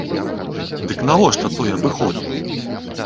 Дык навошта той абыход?